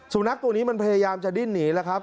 สุนัขตัวนี้มันพยายามจะดิ้นหนีแล้วครับ